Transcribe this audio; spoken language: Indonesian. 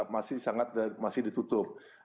masih sangat masih ditutup